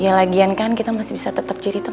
ya lagiapaun aku masih tetap bisa dijadikan teman